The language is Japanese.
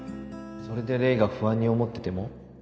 それで黎が不安に思ってても？